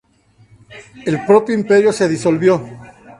El propio Imperio se disolvió.